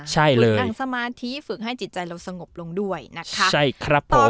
ใช่เลยนั่งสมาธิฝึกให้จิตใจเราสงบลงด้วยนะคะใช่ครับผม